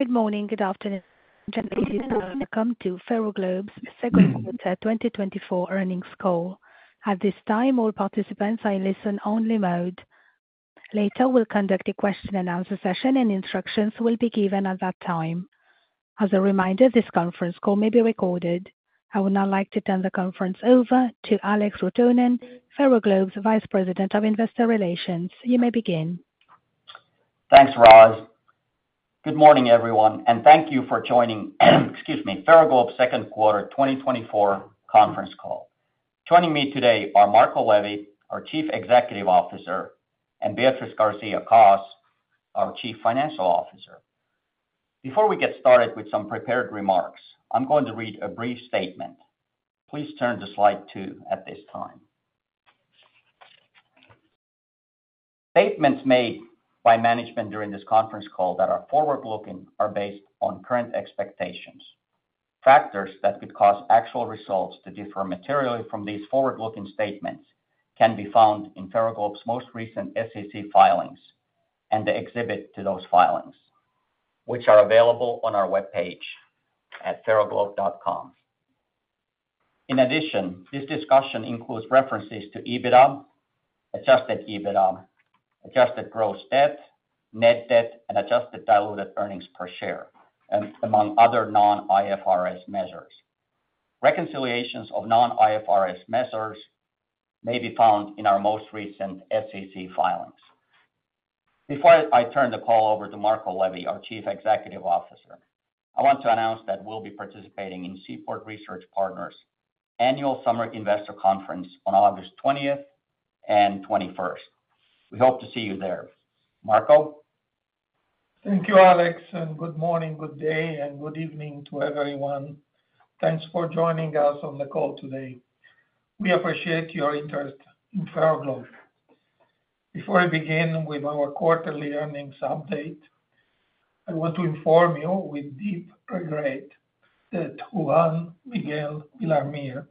Good morning, good afternoon, welcome to Ferroglobe's Second Quarter 2024 Earnings Call. At this time, all participants are in listen-only mode. Later, we'll conduct a question and answer session, and instructions will be given at that time. As a reminder, this conference call may be recorded. I would now like to turn the conference over to Alex Rotonen, Ferroglobe's Vice President of Investor Relations. You may begin. Thanks, Roz. Good morning, everyone, and thank you for joining, excuse me, Ferroglobe's second quarter 2024 conference call. Joining me today are Marco Levi, our Chief Executive Officer, and Beatriz García-Cos, our Chief Financial Officer. Before we get started with some prepared remarks, I'm going to read a brief statement. Please turn to slide two at this time. Statements made by management during this conference call that are forward-looking are based on current expectations. Factors that could cause actual results to differ materially from these forward-looking statements can be found in Ferroglobe's most recent SEC filings and the exhibit to those filings, which are available on our webpage at ferroglobe.com. In addition, this discussion includes references to EBITDA, adjusted EBITDA, adjusted gross debt, net debt, and adjusted diluted earnings per share, and among other non-IFRS measures. Reconciliations of non-IFRS measures may be found in our most recent SEC filings. Before I turn the call over to Marco Levi, our Chief Executive Officer, I want to announce that we'll be participating in Seaport Research Partners' Annual Summer Investor Conference on August 20th and 21st. We hope to see you there. Marco? Thank you, Alex, and good morning, good day, and good evening to everyone. Thanks for joining us on the call today. We appreciate your interest in Ferroglobe. Before I begin with our quarterly earnings update, I want to inform you with deep regret that Juan Miguel Villar Mir,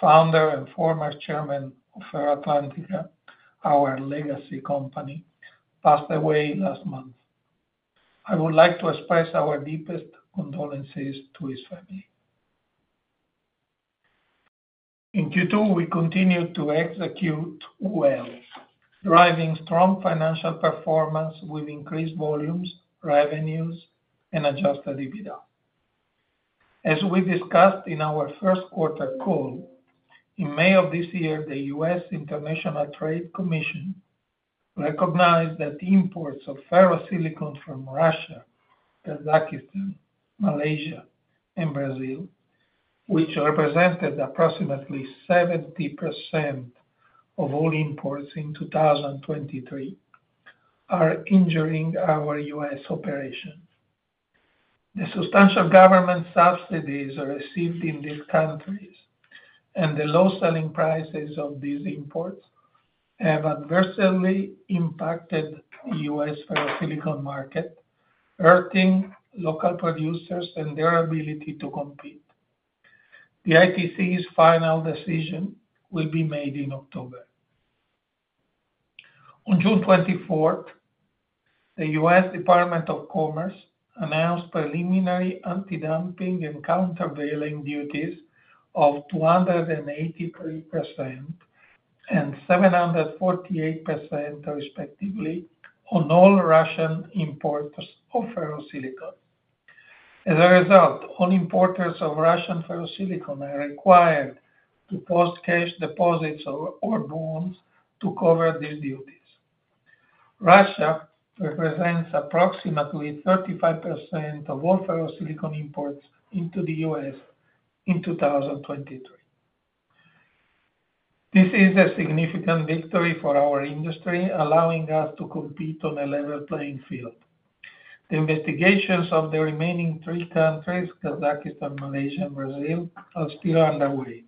founder and former chairman of FerroAtlántica, our legacy company, passed away last month. I would like to express our deepest condolences to his family. In Q2, we continued to execute well, driving strong financial performance with increased volumes, revenues and Adjusted EBITDA. As we discussed in our first quarter call, in May of this year, the US International Trade Commission recognized that imports of ferrosilicon from Russia, Kazakhstan, Malaysia and Brazil, which represented approximately 70% of all imports in 2023, are injuring our US operations. The substantial government subsidies are received in these countries, and the low selling prices of these imports have adversely impacted the U.S. ferrosilicon market, hurting local producers and their ability to compete. The ITC's final decision will be made in October. On June 24th, the U.S. Department of Commerce announced preliminary antidumping and countervailing duties of 283% and 748%, respectively, on all Russian imports of ferrosilicon. As a result, all importers of Russian ferrosilicon are required to post cash deposits or bonds to cover these duties. Russia represents approximately 35% of all ferrosilicon imports into the U.S. in 2023. This is a significant victory for our industry, allowing us to compete on a level playing field. The investigations of the remaining three countries, Kazakhstan, Malaysia, and Brazil, are still underway.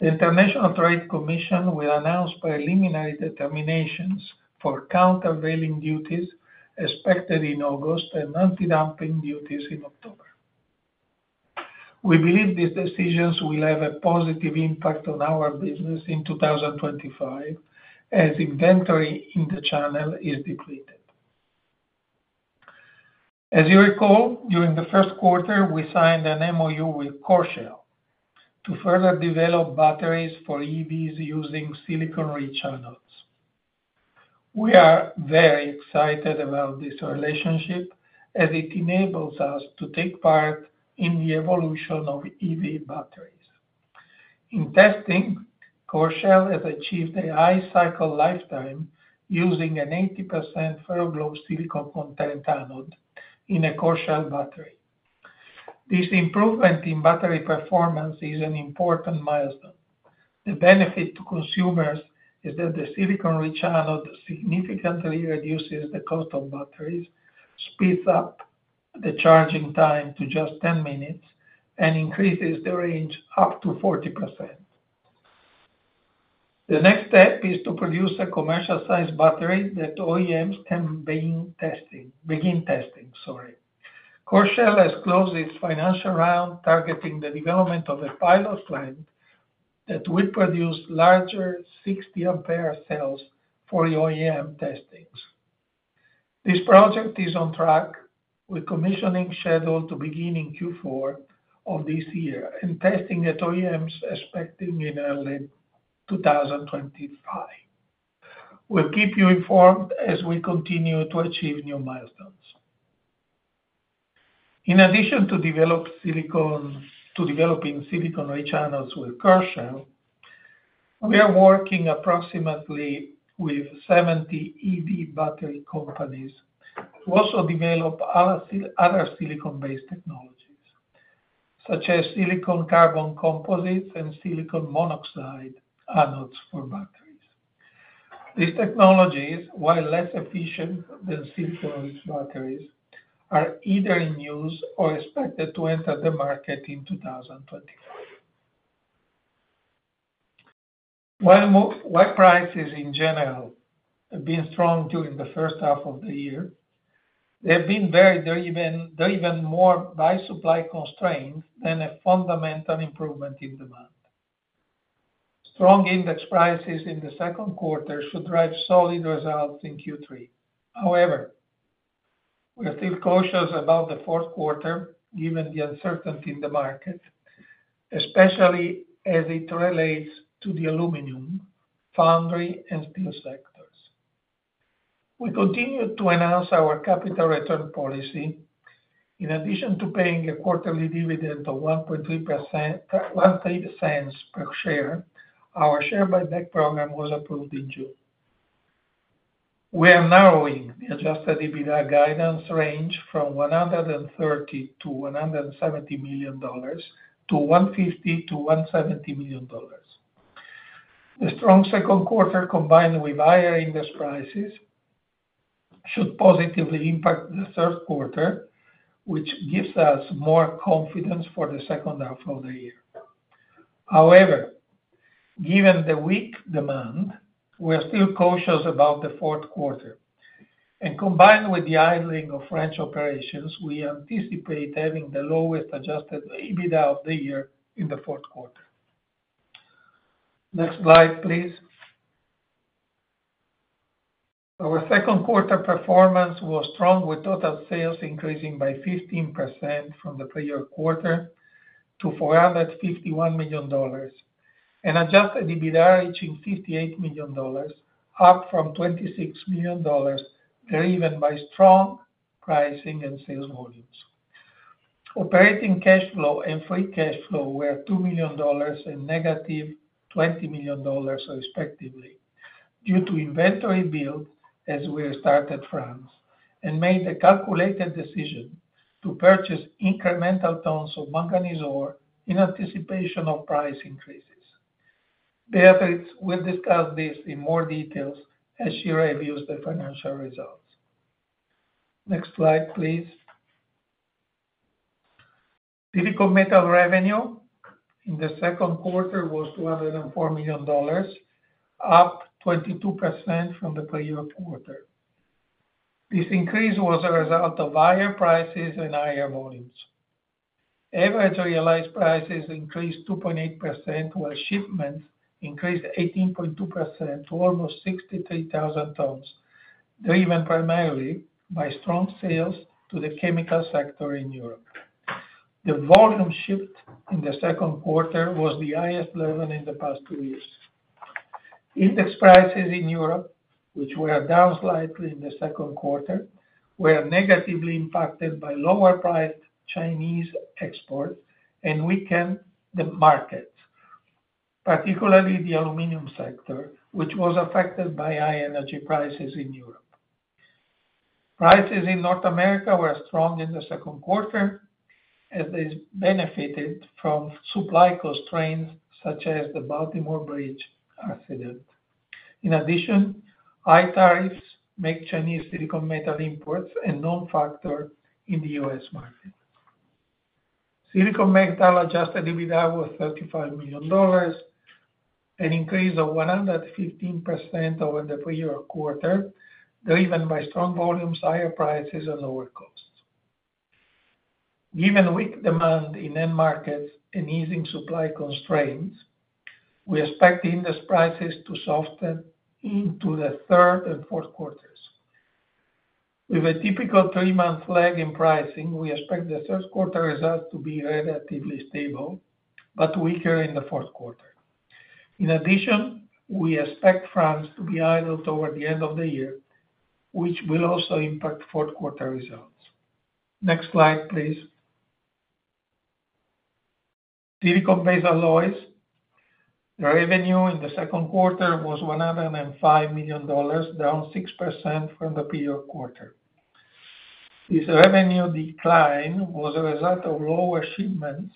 The International Trade Commission will announce preliminary determinations for countervailing duties expected in August and antidumping duties in October. We believe these decisions will have a positive impact on our business in 2025, as inventory in the channel is depleted. As you recall, during the first quarter, we signed an MOU with Coreshell to further develop batteries for EVs using silicon-rich anodes. We are very excited about this relationship as it enables us to take part in the evolution of EV batteries. In testing, Coreshell has achieved a high cycle lifetime using an 80% Ferroglobe silicon content anode in a Coreshell battery. This improvement in battery performance is an important milestone. The benefit to consumers is that the silicon-rich anode significantly reduces the cost of batteries, speeds up the charging time to just 10 minutes, and increases the range up to 40%. The next step is to produce a commercial-sized battery that OEMs can begin testing, begin testing, sorry. Coreshell has closed its financial round, targeting the development of a pilot plant that will produce larger 60 ampere cells for the OEM testings. This project is on track, with commissioning scheduled to begin in Q4 of this year, and testing at OEMs expected in early 2025. We'll keep you informed as we continue to achieve new milestones. In addition to develop silicon, to developing silicon rich anodes with Coreshell, we are working approximately with 70 EV battery companies to also develop other silicon-based technologies, such as silicon carbon composites and silicon monoxide anodes for batteries. These technologies, while less efficient than silicon batteries, are either in use or expected to enter the market in 2025. While prices in general have been strong during the first half of the year, they have been very driven more by supply constraints than a fundamental improvement in demand. Strong index prices in the second quarter should drive solid results in Q3. However, we are still cautious about the fourth quarter given the uncertainty in the market, especially as it relates to the aluminum, foundry, and steel sectors. We continue to enhance our capital return policy. In addition to paying a quarterly dividend of 1.3%, 1.3 cents per share, our share buyback program was approved in June. We are narrowing the adjusted EBITDA guidance range from $130-$170 million to $150-$170 million. The strong second quarter, combined with higher index prices, should positively impact the third quarter, which gives us more confidence for the second half of the year. However, given the weak demand, we are still cautious about the fourth quarter, and combined with the idling of French operations, we anticipate having the lowest Adjusted EBITDA of the year in the fourth quarter. Next slide, please. Our second quarter performance was strong, with total sales increasing by 15% from the prior quarter to $451 million, and Adjusted EBITDA reaching $58 million, up from $26 million, driven by strong pricing and sales volumes. Operating cash flow and free cash flow were $2 million and $-20 million, respectively, due to inventory build as we started France, and made a calculated decision to purchase incremental tons of manganese ore in anticipation of price increases. Beatriz will discuss this in more details as she reviews the financial results. Next slide, please. Silicon metal revenue in the second quarter was $204 million, up 22% from the prior quarter. This increase was a result of higher prices and higher volumes. Average realized prices increased 2.8%, while shipments increased 18.2% to almost 63,000 tons, driven primarily by strong sales to the chemical sector in Europe. The volume shift in the second quarter was the highest level in the past two years. Index prices in Europe, which were down slightly in the second quarter, were negatively impacted by lower priced Chinese exports and weakened the markets, particularly the aluminum sector, which was affected by high energy prices in Europe. Prices in North America were strong in the second quarter, as it benefited from supply constraints such as the Baltimore Bridge accident. In addition, high tariffs make Chinese silicon metal imports a known factor in the U.S. market. Silicon metal Adjusted EBITDA was $35 million, an increase of 115% over the prior quarter, driven by strong volumes, higher prices, and lower costs. Given weak demand in end markets and easing supply constraints, we expect the index prices to soften into the third and fourth quarters. With a typical three-month lag in pricing, we expect the third quarter results to be relatively stable but weaker in the fourth quarter. In addition, we expect France to be idled toward the end of the year, which will also impact fourth quarter results. Next slide, please. Silicon-based alloys. The revenue in the second quarter was $105 million, down 6% from the prior quarter. This revenue decline was a result of lower shipments,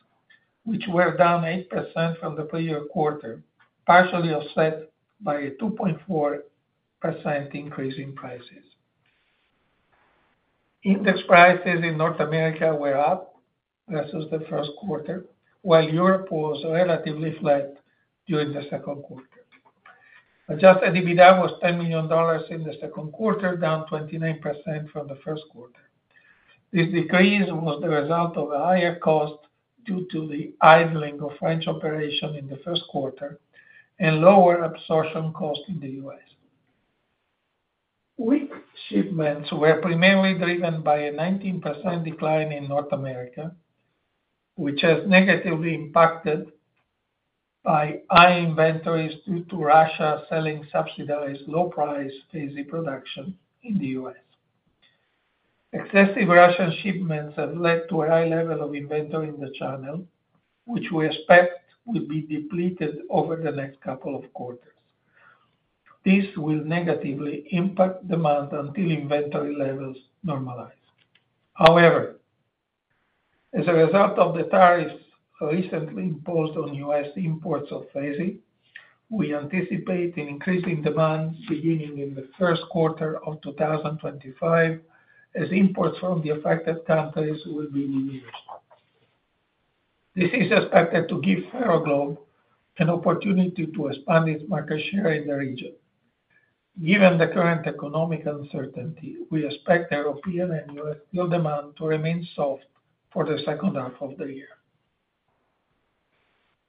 which were down 8% from the prior quarter, partially offset by a 2.4% increase in prices. Index prices in North America were up versus the first quarter, while Europe was relatively flat during the second quarter. Adjusted EBITDA was $10 million in the second quarter, down 29% from the first quarter. This decrease was the result of a higher cost due to the idling of French operation in the first quarter, and lower absorption cost in the U.S. Weak shipments were primarily driven by a 19% decline in North America, which has negatively impacted by high inventories due to Russia selling subsidized low price FeSi production in the U.S. Excessive Russian shipments have led to a high level of inventory in the channel, which we expect will be depleted over the next couple of quarters. This will negatively impact demand until inventory levels normalize. However, as a result of the tariffs recently imposed on US imports of FeSi, we anticipate an increasing demand beginning in the first quarter of 2025, as imports from the affected countries will be reduced. This is expected to give Ferroglobe an opportunity to expand its market share in the region. Given the current economic uncertainty, we expect European and US wheel demand to remain soft for the second half of the year.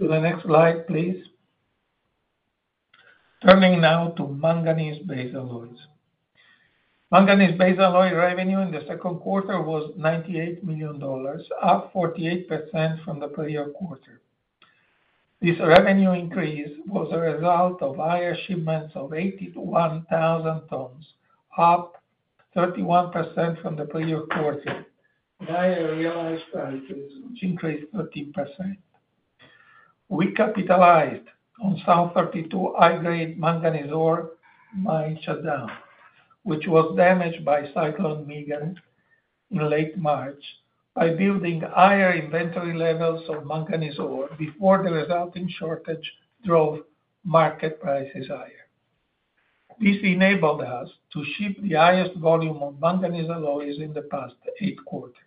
To the next slide, please. Turning now to manganese-based alloys. Manganese-based alloy revenue in the second quarter was $98 million, up 48% from the prior quarter. This revenue increase was a result of higher shipments of 81,000 tons, up 31% from the prior quarter, and higher realized prices, which increased 13%. We capitalized on South32 high-grade manganese ore mine shutdown, which was damaged by Cyclone Megan in late March, by building higher inventory levels of manganese ore before the resulting shortage drove market prices higher. This enabled us to ship the highest volume of manganese alloys in the past 8 quarters.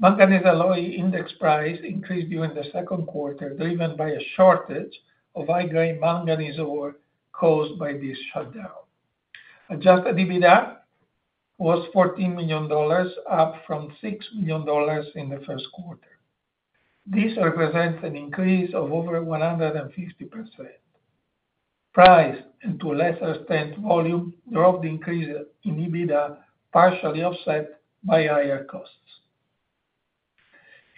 Manganese alloy index price increased during the second quarter, driven by a shortage of high-grade manganese ore caused by this shutdown. Adjusted EBITDA was $14 million, up from $6 million in the first quarter. This represents an increase of over 150%. Price, and to a lesser extent, volume, drove the increase in EBITDA, partially offset by higher costs.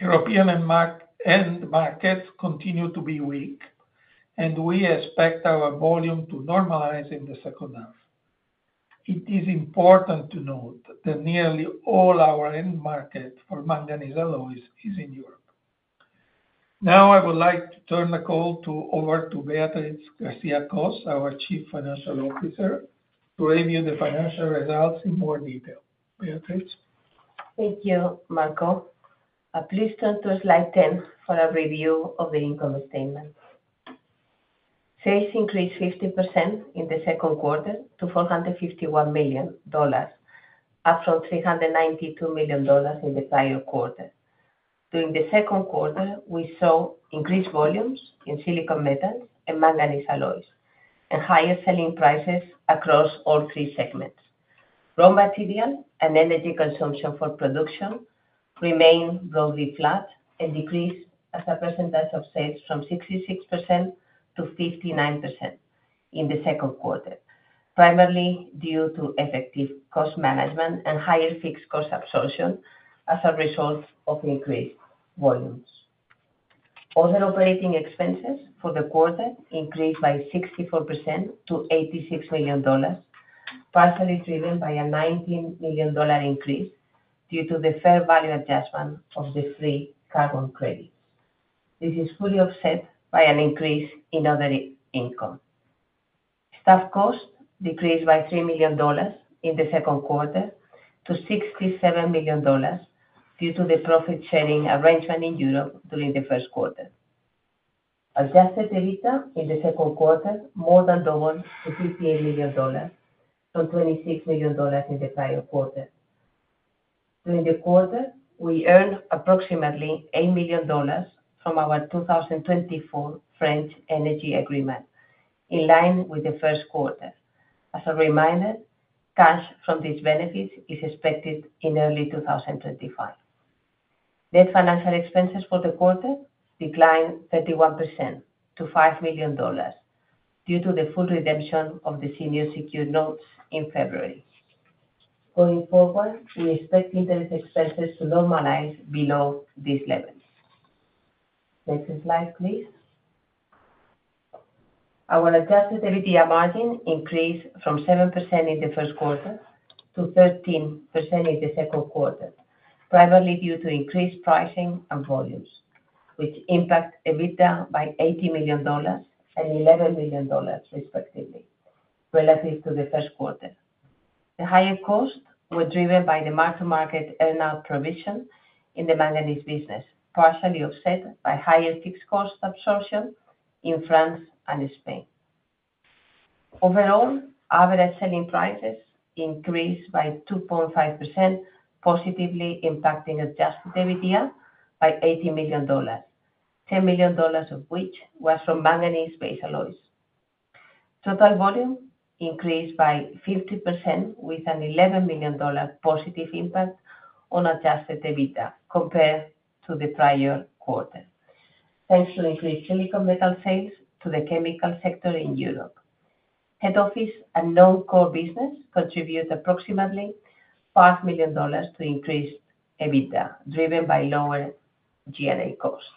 European end markets continue to be weak, and we expect our volume to normalize in the second half. It is important to note that nearly all our end market for manganese alloys is in Europe. Now, I would like to turn the call over to Beatriz García-Cos, our Chief Financial Officer, to review the financial results in more detail. Beatriz? Thank you, Marco. Please turn to slide 10 for a review of the income statement. Sales increased 50% in the second quarter to $451 million, up from $392 million in the prior quarter. During the second quarter, we saw increased volumes in silicon metals and manganese alloys, and higher selling prices across all three segments. Raw material and energy consumption for production remained broadly flat and decreased as a percentage of sales from 66% to 59% in the second quarter, primarily due to effective cost management and higher fixed cost absorption as a result of increased volumes. Other operating expenses for the quarter increased by 64% to $86 million, partially driven by a $19 million increase due to the fair value adjustment of the free carbon credits. This is fully offset by an increase in other income. Staff costs decreased by $3 million in the second quarter to $67 million, due to the profit sharing arrangement in Europe during the first quarter. Adjusted EBITDA in the second quarter more than doubled to $58 million, from $26 million in the prior quarter. During the quarter, we earned approximately $8 million from our 2024 French energy agreement, in line with the first quarter. As a reminder, cash from these benefits is expected in early 2025. Net financial expenses for the quarter declined 31% to $5 million, due to the full redemption of the senior secured notes in February. Going forward, we expect interest expenses to normalize below these levels. Next slide, please. Our adjusted EBITDA margin increased from 7% in the first quarter to 13% in the second quarter, primarily due to increased pricing and volumes, which impact EBITDA by $80 million and $11 million, respectively, relative to the first quarter. The higher costs were driven by the mark-to-market earnout provision in the manganese business, partially offset by higher fixed cost absorption in France and Spain. Overall, average selling prices increased by 2.5%, positively impacting adjusted EBITDA by $80 million, $10 million of which was from manganese-based alloys. Total volume increased by 50% with an $11 million positive impact on adjusted EBITDA compared to the prior quarter, thanks to increased silicon metal sales to the chemical sector in Europe. Head Office and non-core business contribute approximately $5 million to increase EBITDA, driven by lower G&A costs.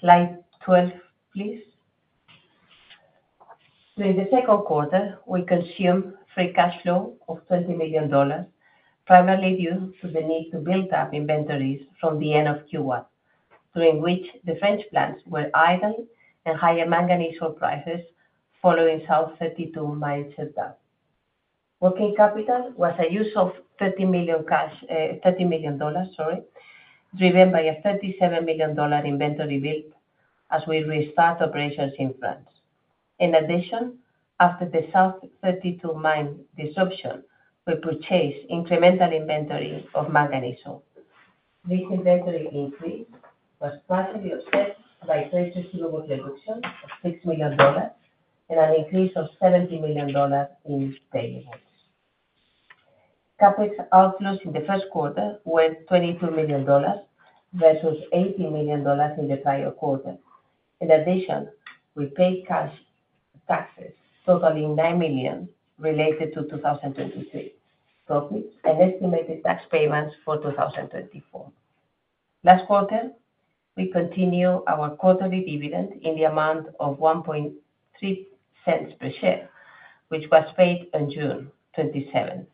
Slide 12, please. So in the second quarter, we consumed free cash flow of $30 million, primarily due to the need to build up inventories from the end of Q1, during which the French plants were idle and higher manganese ore prices following South32 mine shutdown. Working capital was a use of $30 million, driven by a $37 million inventory build as we restart operations in France. In addition, after the South32 mine disruption, we purchased incremental inventories of manganese ore. This inventory increase was partially offset by trade receivable reduction of $6 million and an increase of $17 million in payables. CapEx outflows in the first quarter were $22 million versus $18 million in the prior quarter. In addition, we paid cash taxes totaling $9 million related to 2023, plus an estimated tax payments for 2024. Last quarter, we continued our quarterly dividend in the amount of $0.013 per share, which was paid on June 27,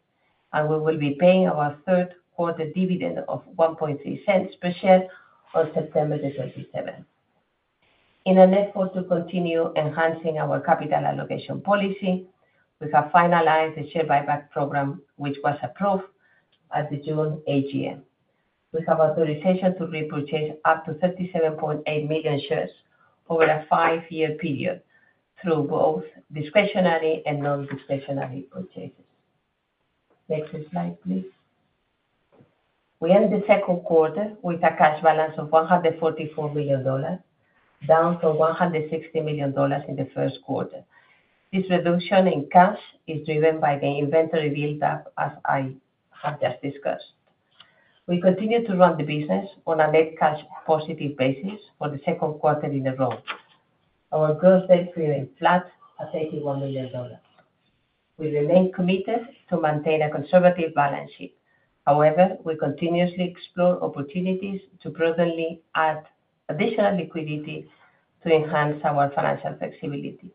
and we will be paying our third quarter dividend of $0.013 per share on September 27. In an effort to continue enhancing our capital allocation policy, we have finalized the share buyback program, which was approved at the June AGM. We have authorization to repurchase up to 37.8 million shares over a 5-year period through both discretionary and non-discretionary purchases. Next slide, please. We end the second quarter with a cash balance of $144 million, down from $160 million in the first quarter. This reduction in cash is driven by the inventory build-up, as I have just discussed. We continue to run the business on a net cash positive basis for the second quarter in a row. Our gross debt remained flat at $81 million. We remain committed to maintain a conservative balance sheet. However, we continuously explore opportunities to prudently add additional liquidity to enhance our financial flexibility.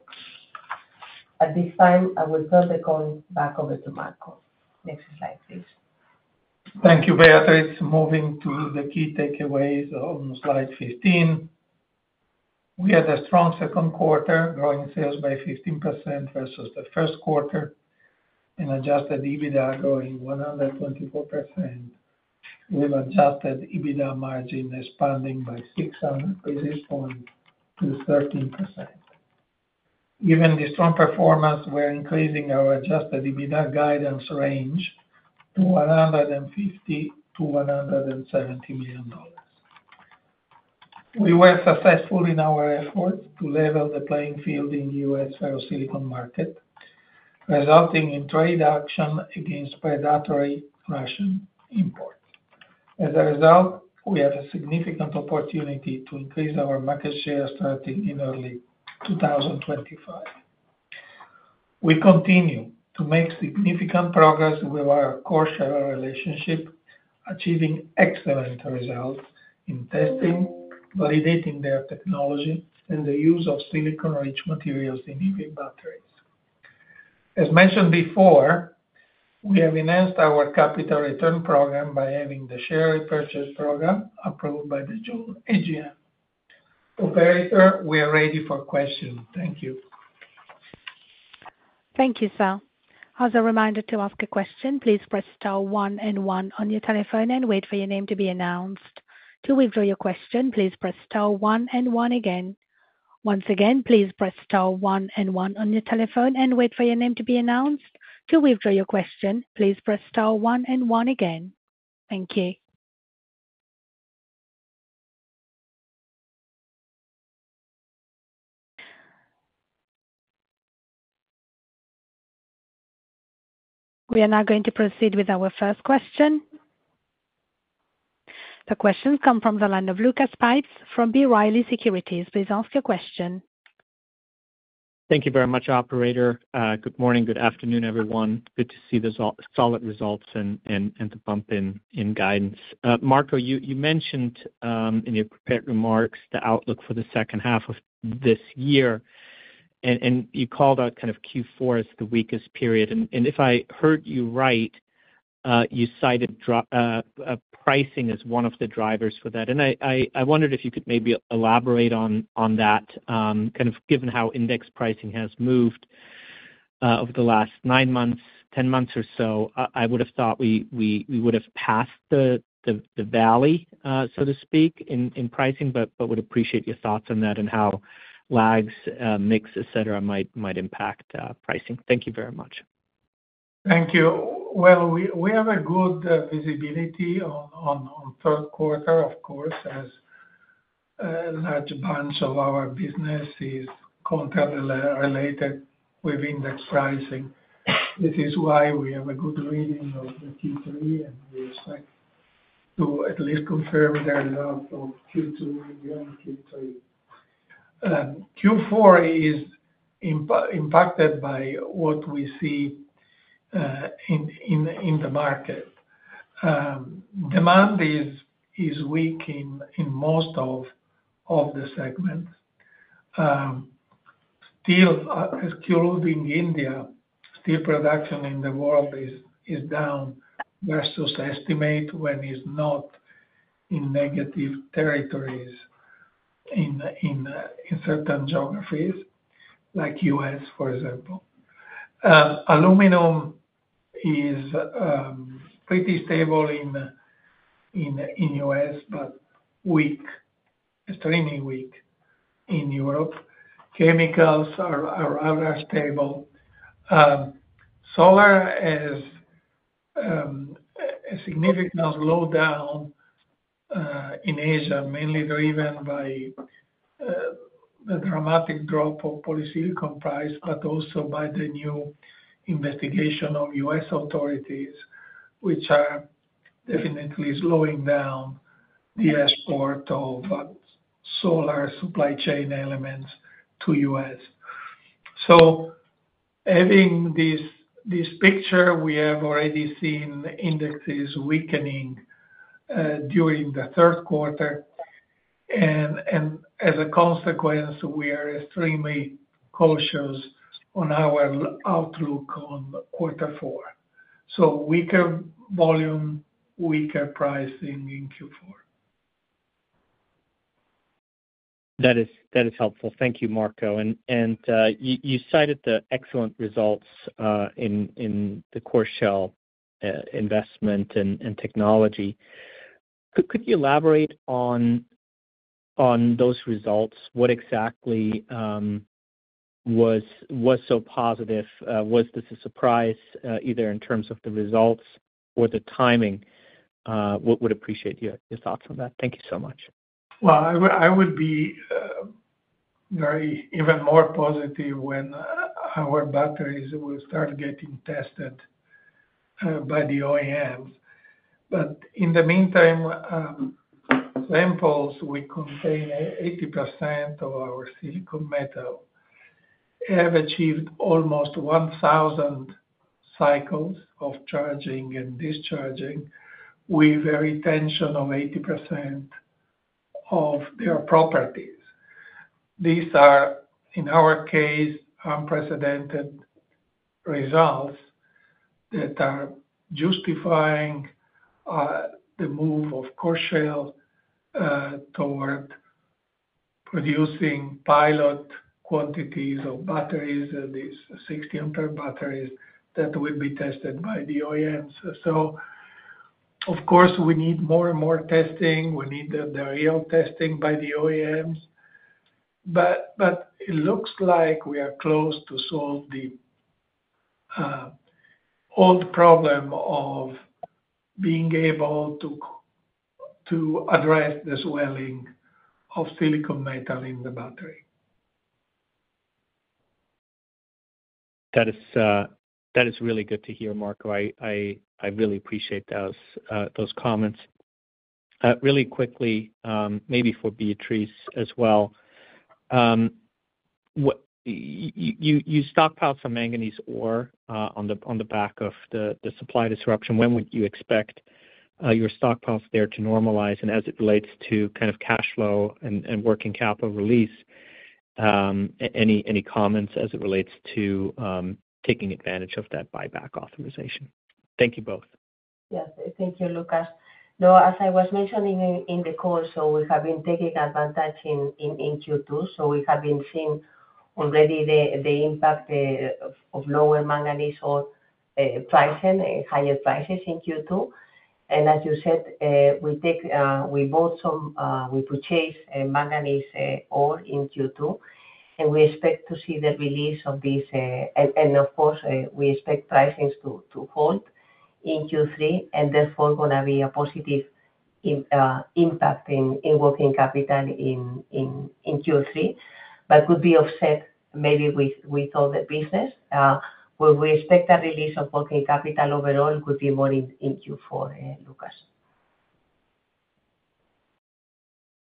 At this time, I will turn the call back over to Marco. Next slide, please. Thank you, Beatriz. Moving to the key takeaways on slide 15. We had a strong second quarter, growing sales by 15% versus the first quarter, and adjusted EBITDA growing 124%, with adjusted EBITDA margin expanding by 600 basis points to 13%. Given the strong performance, we're increasing our Adjusted EBITDA guidance range to $150-$170 million. We were successful in our efforts to level the playing field in the U.S. ferrosilicon market, resulting in trade action against predatory Russian imports. As a result, we have a significant opportunity to increase our market share starting in early 2025. We continue to make significant progress with our Coreshell relationship, achieving excellent results in testing, validating their technology, and the use of silicon-rich materials in EV batteries. As mentioned before, we have enhanced our capital return program by having the share repurchase program approved by the June AGM. Operator, we are ready for questions. Thank you. Thank you, sir. As a reminder to ask a question, please press star one and one on your telephone and wait for your name to be announced. To withdraw your question, please press star one and one again. Once again, please press star one and one on your telephone and wait for your name to be announced. To withdraw your question, please press star one and one again. Thank you. We are now going to proceed with our first question. The question comes from the line of Lucas Pipes from B. Riley Securities. Please ask your question. Thank you very much, operator. Good morning, good afternoon, everyone. Good to see the solid results and the bump in guidance. Marco, you mentioned in your prepared remarks the outlook for the second half of this year, and you called out kind of Q4 as the weakest period. And if I heard you right, you cited pricing as one of the drivers for that. And I wondered if you could maybe elaborate on that, kind of given how index pricing has moved. Over the last nine months, 10 months or so, I would have thought we would have passed the valley, so to speak, in pricing, but would appreciate your thoughts on that and how lags, mix, et cetera, might impact pricing. Thank you very much. Thank you. Well, we have a good visibility on third quarter, of course, as large bunch of our business is contractually related with index pricing. This is why we have a good reading of the Q3, and we expect to at least confirm the result of Q2 and Q3. Q4 is impacted by what we see in the market. Demand is weak in most of the segments. Steel, excluding India, steel production in the world is down versus estimate, when it's not in negative territories in certain geographies, like U.S., for example. Aluminum is pretty stable in U.S., but weak, extremely weak in Europe. Chemicals are rather stable. Solar is a significant slowdown in Asia, mainly driven by the dramatic drop of polysilicon price, but also by the new investigation of U.S. authorities, which are definitely slowing down the export of solar supply chain elements to U.S. So having this picture, we have already seen indexes weakening during the third quarter. And as a consequence, we are extremely cautious on our outlook on quarter four. So weaker volume, weaker pricing in Q4. That is, that is helpful. Thank you, Marco. And you cited the excellent results in the Coreshell investment and technology. Could you elaborate on those results? What exactly was so positive? Was this a surprise either in terms of the results or the timing? Would appreciate your thoughts on that. Thank you so much. Well, I would, I would be very, even more positive when our batteries will start getting tested by the OEMs. But in the meantime, samples will contain 80% of our silicon metal, have achieved almost 1,000 cycles of charging and discharging, with a retention of 80% of their properties. These are, in our case, unprecedented results that are justifying the move of Coreshell toward producing pilot quantities of batteries, these 60 ampere batteries, that will be tested by the OEMs. So of course, we need more and more testing. We need the real testing by the OEMs, but it looks like we are close to solve the old problem of being able to to address the swelling of silicon metal in the battery. That is, that is really good to hear, Marco. I really appreciate those comments. Really quickly, maybe for Beatriz as well. You stockpiled some manganese ore on the back of the supply disruption. When would you expect your stockpiles there to normalize? And as it relates to kind of cash flow and working capital release, any comments as it relates to taking advantage of that buyback authorization? Thank you both. Yes. Thank you, Lucas. Though, as I was mentioning in the call, so we have been taking advantage in Q2, so we have been seeing already the impact of lower manganese ore pricing, higher prices in Q2. And as you said, we purchased manganese ore in Q2, and we expect to see the release of this. And of course, we expect prices to hold in Q3, and therefore gonna be a positive impact in working capital in Q3, but could be offset maybe with all the business. But we expect a release of working capital overall could be more in Q4, Lucas.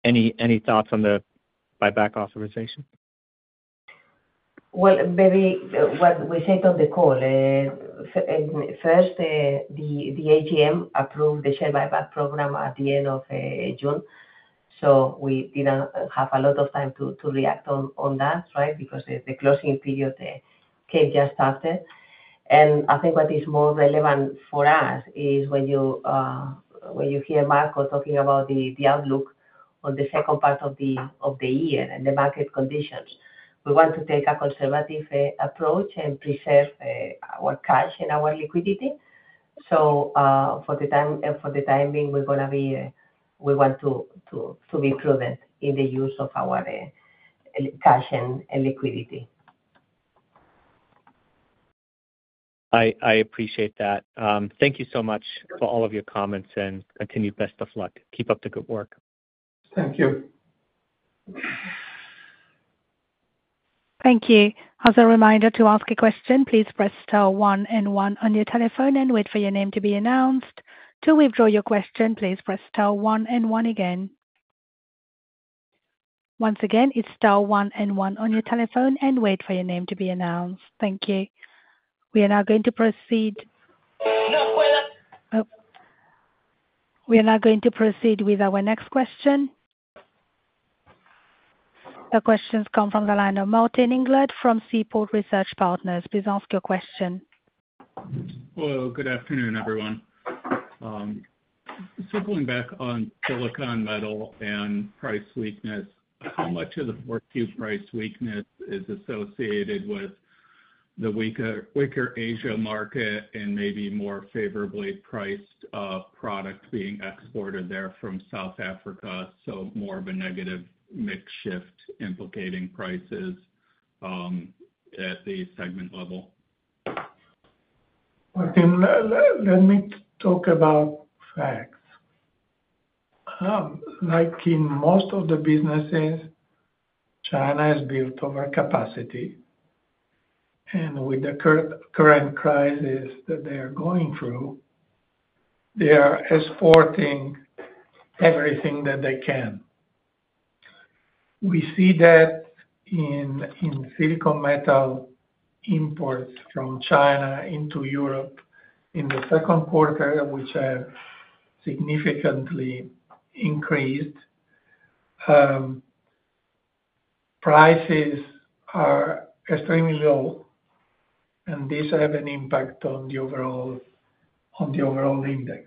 Any thoughts on the buyback authorization? Well, maybe what we said on the call and first, the AGM approved the share buyback program at the end of June, so we didn't have a lot of time to react on that, right? Because the closing period came just after. I think what is more relevant for us is when you hear Marco talking about the outlook on the second part of the year and the market conditions. We want to take a conservative approach and preserve our cash and our liquidity. So, for the time being, we're gonna be. We want to be prudent in the use of our cash and liquidity. I appreciate that. Thank you so much for all of your comments, and continued best of luck. Keep up the good work. Thank you. Thank you. As a reminder, to ask a question, please press star one and one on your telephone and wait for your name to be announced. To withdraw your question, please press star one and one again. Once again, it's star one and one on your telephone and wait for your name to be announced. Thank you. We are now going to proceed- Oh, we are now going to proceed with our next question. The question's come from the line of Martin Englert from Seaport Research Partners. Please ask your question. Hello, good afternoon, everyone. Circling back on silicon metal and price weakness, how much of the fourth Q price weakness is associated with the weaker, weaker Asia market and maybe more favorably priced, product being exported there from South Africa, so more of a negative mix shift implicating prices, at the segment level? Martin, let me talk about facts. Like in most of the businesses, China has built over capacity, and with the current crisis that they are going through, they are exporting everything that they can. We see that in silicon metal imports from China into Europe in the second quarter, which have significantly increased. Prices are extremely low, and these have an impact on the overall index.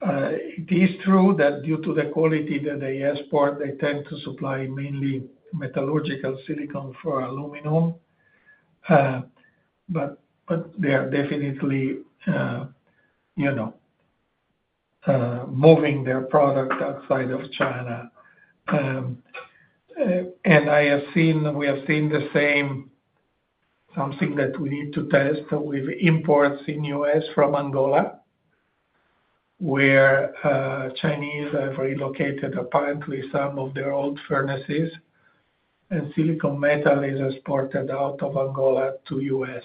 It is true that due to the quality that they export, they tend to supply mainly metallurgical silicon for aluminum, but they are definitely, you know, moving their product outside of China. And we have seen the same, something that we need to test with imports in U.S. from Angola, where Chinese have relocated apparently some of their old furnaces, and silicon metal is exported out of Angola to U.S.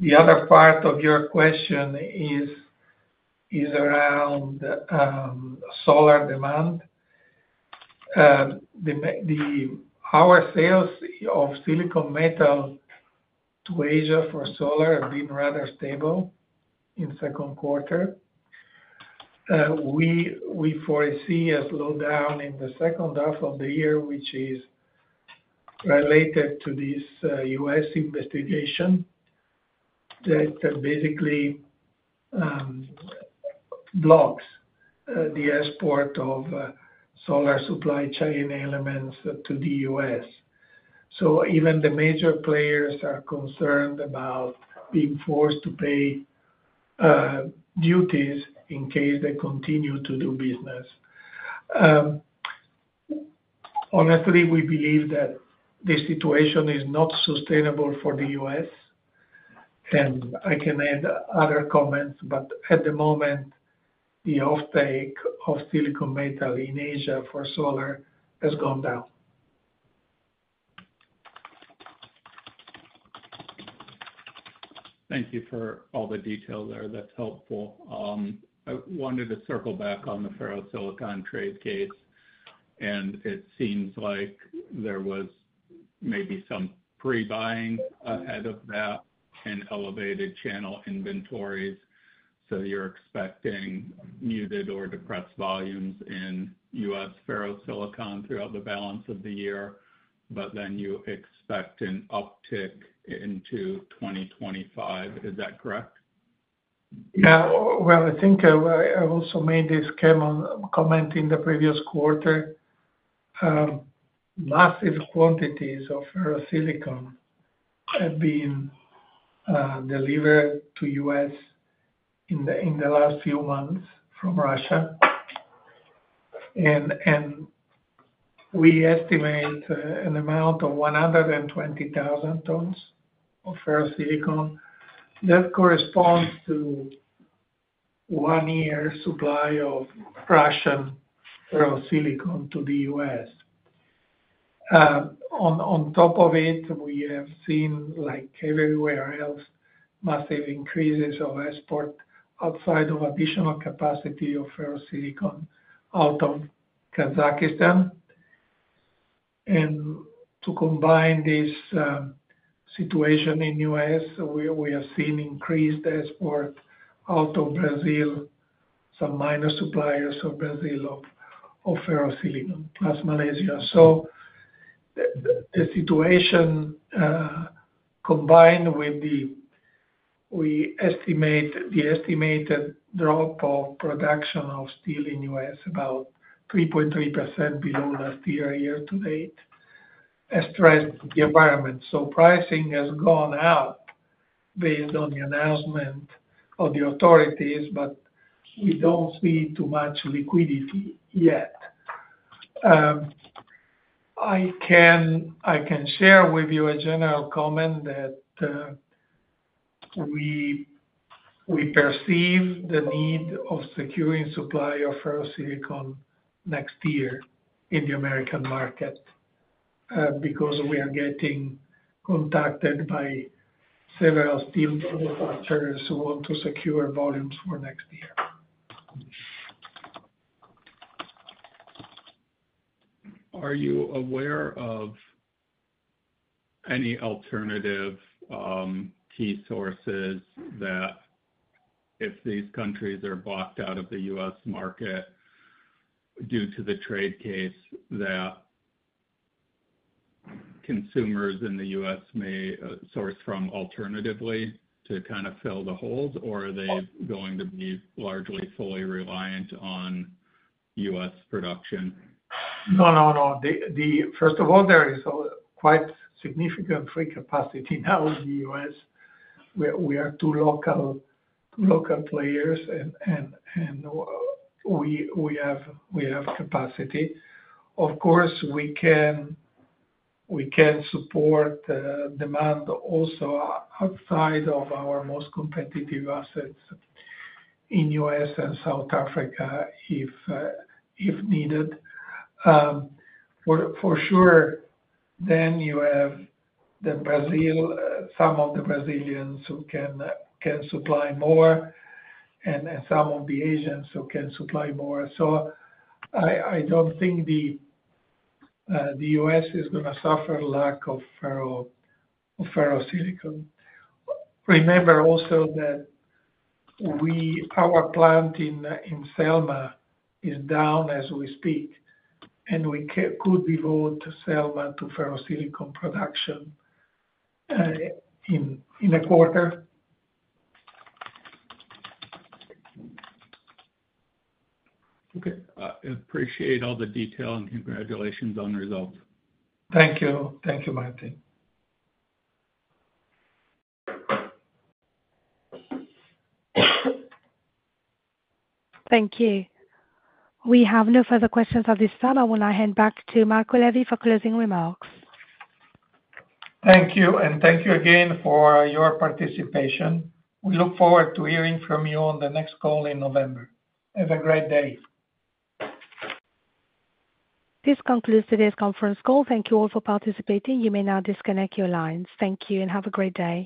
The other part of your question is around solar demand. Our sales of silicon metal to Asia for solar have been rather stable in second quarter. We foresee a slowdown in the second half of the year, which is related to this U.S. investigation that basically blocks the export of solar supply chain elements to the U.S. So even the major players are concerned about being forced to pay duties in case they continue to do business. Honestly, we believe that this situation is not sustainable for the U.S., and I can add other comments, but at the moment, the offtake of silicon metal in Asia for solar has gone down. Thank you for all the detail there. That's helpful. I wanted to circle back on the ferrosilicon trade case, and it seems like there was maybe some pre-buying ahead of that and elevated channel inventories. So you're expecting muted or depressed volumes in U.S. ferrosilicon throughout the balance of the year, but then you expect an uptick into 2025. Is that correct? Yeah. Well, I think I also made this comment in the previous quarter. Massive quantities of ferrosilicon have been delivered to the U.S. in the last few months from Russia. And we estimate an amount of 120,000 tons of ferrosilicon. That corresponds to one year's supply of Russian ferrosilicon to the U.S. On top of it, we have seen, like everywhere else, massive increases of export outside of additional capacity of ferrosilicon out of Kazakhstan. And to combine this situation in the U.S., we have seen increased export out of Brazil, some minor suppliers of Brazil of ferrosilicon, plus Malaysia. The situation combined with the, we estimate, the estimated drop of production of steel in U.S., about 3.3% below last year, year to date, has threatened the environment. So pricing has gone up based on the announcement of the authorities, but we don't see too much liquidity yet. I can share with you a general comment that we perceive the need of securing supply of Ferrosilicon next year in the American market, because we are getting contacted by several steel manufacturers who want to secure volumes for next year. Are you aware of any alternative, key sources that if these countries are blocked out of the U.S. market due to the trade case, that consumers in the U.S. may source from alternatively to kind of fill the holes? Or are they going to be largely fully reliant on U.S. production? No, no, no. First of all, there is quite significant free capacity now in the U.S. We are two local players and we have capacity. Of course, we can support demand also outside of our most competitive assets in U.S. and South Africa, if needed. For sure, then you have Brazil, some of the Brazilians who can supply more, and some of the Asians who can supply more. So I don't think the U.S. is gonna suffer lack of ferro, of ferrosilicon. Remember also that we... Our plant in Selma is down as we speak, and we could devote Selma to ferrosilicon production, in a quarter. Okay. Appreciate all the detail and congratulations on the results. Thank you. Thank you, Martin. Thank you. We have no further questions at this time. I will now hand back to Marco Levi for closing remarks. Thank you, and thank you again for your participation. We look forward to hearing from you on the next call in November. Have a great day. This concludes today's conference call. Thank you all for participating. You may now disconnect your lines. Thank you, and have a great day.